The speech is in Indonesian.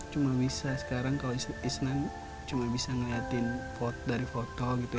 cuma bisa sekarang kalau isnan cuma bisa ngeliatin dari foto gitu